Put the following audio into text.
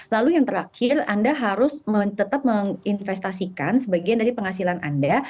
lalu yang terakhir anda harus tetap menginvestasikan sebagian dari penghasilan anda